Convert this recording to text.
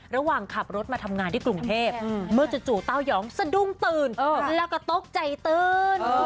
ระหว่างขับรถมาทำงานที่กรุงเทพเมื่อจู่เต้ายองสะดุ้งตื่นแล้วก็ตกใจตื่น